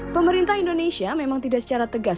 pemerintah indonesia memang tidak secara tegas